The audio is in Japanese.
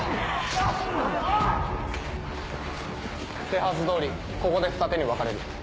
手はず通りここでふた手に分かれる。